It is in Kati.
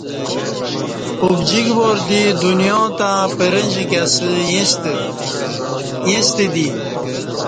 ابجیک وار دی دنیا تں پرجیک اسہ ییݩستہ دی